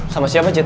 sama siapa cit